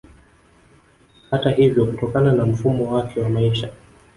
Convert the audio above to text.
Hata hivyo kutokana na mfumo wake wa maisha